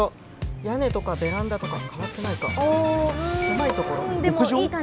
屋根とかベランダとか、変わってないか。